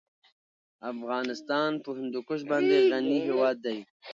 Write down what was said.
افغانستان په هندوکش باندې غني هېواد دی.